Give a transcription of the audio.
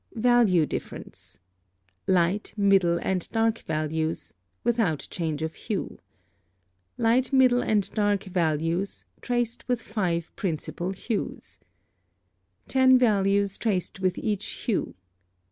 Value difference. Light, middle, and dark values (without change of hue). Light, middle, and dark values (traced with 5 principal hues). 10 values traced with each hue.